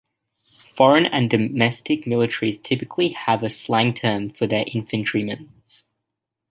Foreign and domestic militaries typically have a slang term for their infantrymen.